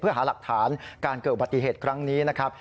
เพื่อหาหลักฐานการเกิดอุบัติเหตุครั้งนี้นะครับ